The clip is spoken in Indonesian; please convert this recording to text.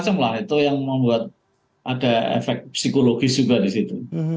itu yang membuat ada efek psikologis juga di situ